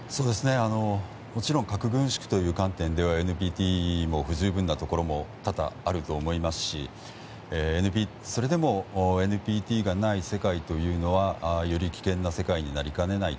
核軍縮という観点ではＮＰＴも不十分ということも多々あると思いますし、それでもＮＰＴがない世界というのはより危険な世界になりかねない。